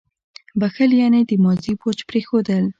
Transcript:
• بښل یعنې د ماضي بوج پرېښودل.